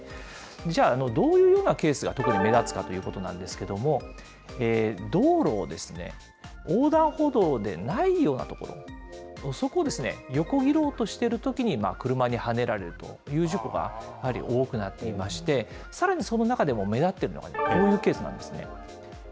じゃあ、どういうようなケースが特に目立つかということなんですけども、道路を横断歩道でないような所、そこを横切ろうとしているときに車にはねられるという事故がやはり多くなっていまして、さらにその中でも目立っているのが、こういうケースなんですね。